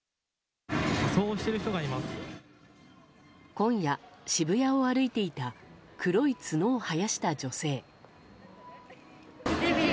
今夜、渋谷を歩いていた黒い角を生やした女性。